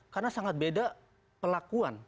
karena sangat beda pelakuan